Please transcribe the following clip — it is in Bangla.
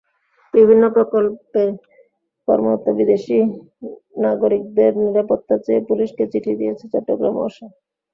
বিভিন্ন প্রকল্পে কর্মরত বিদেশি নাগরিকদের নিরাপত্তা চেয়ে পুলিশকে চিঠি দিয়েছে চট্টগ্রাম ওয়াসা।